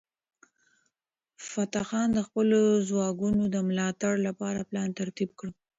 فتح خان د خپلو ځواکونو د ملاتړ لپاره پلان ترتیب کړ.